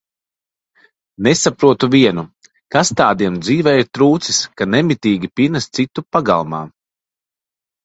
Nesaprotu vienu, kas tādiem dzīvē ir trūcis, ka nemitīgi pinas citu pagalmā?